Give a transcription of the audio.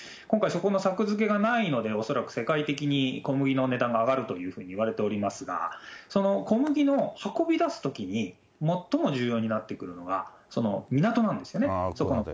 今回、そこの作付けがないので恐らく世界的に小麦の値段が上がるというふうに言われておりますが、その小麦を運び出すときに、最も重要になってくるのが港なんですよね。